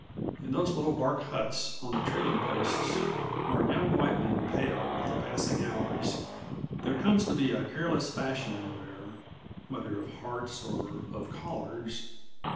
In those little bark huts on the trading posts, where young white men pale with the passing hours, there comes to be a careless fashion in wear, whether of hearts or of collars.